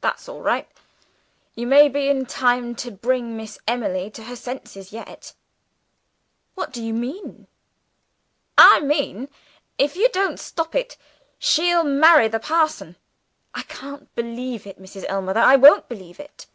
"That's all right! You may be in time to bring Miss Emily to her senses, yet." "What do you mean?" "I mean if you don't stop it she will marry the parson." "I can't believe it, Mrs. Ellmother! I won't believe it!"